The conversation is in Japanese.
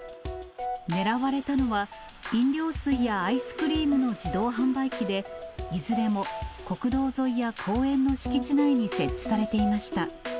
狙われたのは、飲料水やアイスクリームの自動販売機で、いずれも国道沿いや公園の敷地内に設置されていました。